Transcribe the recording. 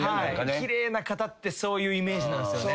奇麗な方ってそういうイメージなんですよね。